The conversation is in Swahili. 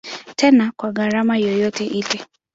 Tena kwa gharama yoyote ile.